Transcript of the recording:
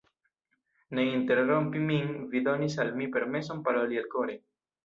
Ne interrompu min; vi donis al mi permeson paroli elkore.